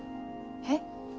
えっ。